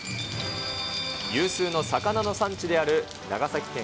有数の魚の産地である長崎県